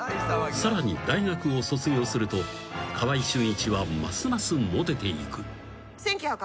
［さらに大学を卒業すると川合俊一はますますモテていく］